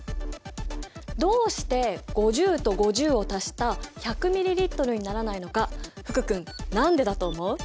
どうして５０と５０を足した１００ｍＬにならないのか福君何でだと思う？